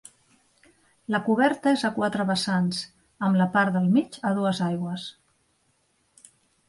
La coberta és a quatre vessants, amb la part del mig a dues aigües.